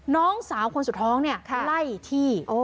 น้องสาวคนสุดท้องเนี่ยไล่ที่